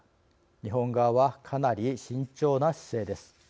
日本側はかなり慎重な姿勢です。